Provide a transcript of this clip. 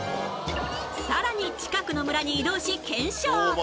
さらに近くの村に移動し検証